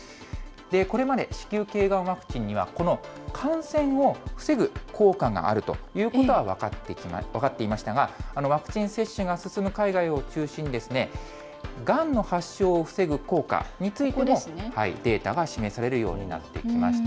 これまで子宮けいがんワクチンには、この感染を防ぐ効果があるということは分かっていましたが、ワクチン接種が進む海外を中心に、がんの発症を防ぐ効果についてもデータが示されるようになってきました。